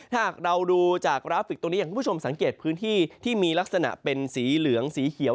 ถ้าหากเราดูจากกราฟิกตรงนี้อย่างคุณผู้ชมสังเกตพื้นที่ที่มีลักษณะเป็นสีเหลืองสีเขียว